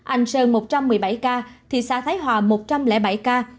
anh sơn một trăm một mươi bảy ca thị xã thái hòa một trăm linh bảy ca